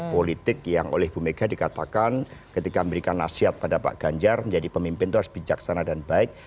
politik yang oleh ibu mega dikatakan ketika memberikan nasihat pada pak ganjar menjadi pemimpin itu harus bijaksana dan baik